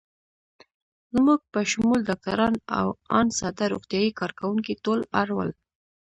زموږ په شمول ډاکټران او آن ساده روغتیايي کارکوونکي ټول اړ ول.